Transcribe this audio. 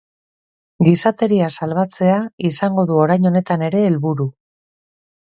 Gizateria salbatzea izango du oraingo honetan ere helburu.